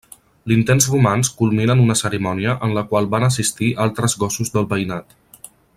L'intens romanç culmina en una cerimònia en la qual van assistir altres gossos del veïnat.